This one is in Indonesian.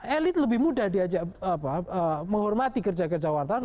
elit lebih mudah diajak apa menghormati kerja kerja wawatan